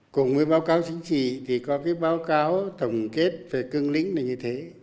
cùng với báo cáo chính trị thì có cái báo cáo tổng kết về cương lĩnh này như thế